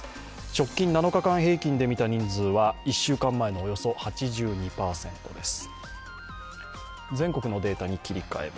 直近７日間平均で見た人数は１週間のおよそ８２％です。